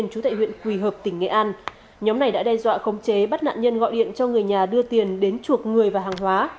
nhóm này đã đe dọa khống chế bắt nạn nhân gọi điện cho người nhà đưa tiền đến chuộc người và hàng hóa